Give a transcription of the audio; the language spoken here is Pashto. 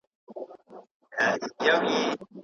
په امریکا کې د خطي نسخو لابراتوارونه ډېر دي.